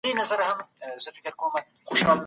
څنګه رضاکارانه کار کول ځان ته ارزښت ورکوي؟